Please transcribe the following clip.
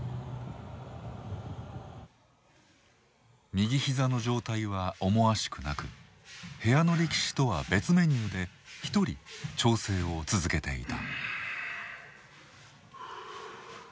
右膝の状態は思わしくなく部屋の力士とは別メニューで一人調整を続けていた。